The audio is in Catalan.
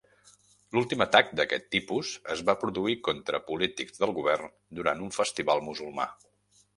L'últim atac d'aquest tipus es va produir contra polítics del govern durant un festival musulmà.